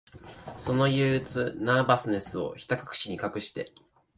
その憂鬱、ナーバスネスを、ひたかくしに隠して、